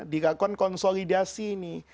dilakukan konsolidasi ini